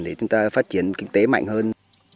để chúng ta phát triển kinh tế mạnh hơn